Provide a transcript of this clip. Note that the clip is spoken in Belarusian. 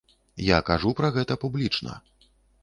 Я кажу пра гэта публічна.